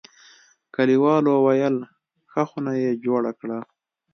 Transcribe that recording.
کلیوالو ویل: ښه خونه یې جوړه کړه.